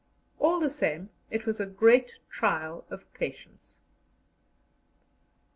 All the same, it was a great trial of patience.